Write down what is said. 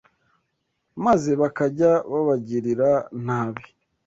maze bakajya babagirira nabi